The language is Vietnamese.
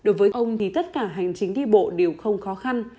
đối với ông thì tất cả hành chính đi bộ đều không khó khăn